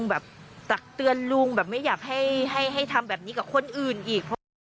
แบบตักเตือนลุงแบบไม่อยากให้ทำแบบนี้กับคนอื่นอีกเพราะว่า